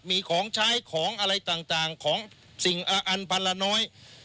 มีของใช้ของอะไรต่างของสิ่งอันพันละน้อย